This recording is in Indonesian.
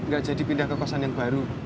gak jadi pindah ke kosan yang baru